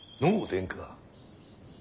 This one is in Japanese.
殿下。